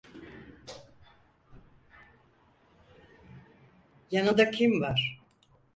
Yanında kim var?